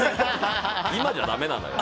今じゃだめなのよ。